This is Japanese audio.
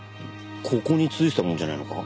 ここに付いてたものじゃないのか？